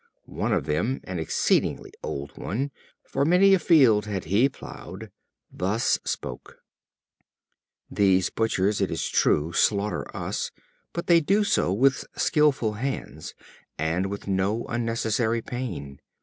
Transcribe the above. One of them, an exceedingly old one (for many a field had he ploughed), thus spoke: "These Butchers, it is true, slaughter us, but they do so with skillful hands, and with no unnecessary pain.